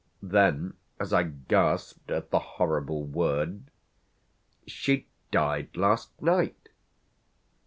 Then as I gasped at the horrible word: "She died last night."